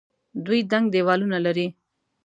دوی دنګ دیوالونه لري.